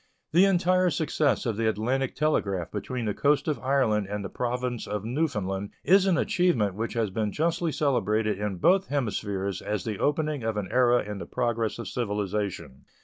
The entire success of the Atlantic telegraph between the coast of Ireland and the Province of Newfoundland is an achievement which has been justly celebrated in both hemispheres as the opening of an era in the progress of civilization.